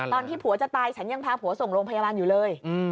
ตอนที่ผัวจะตายฉันยังพาผัวส่งโรงพยาบาลอยู่เลย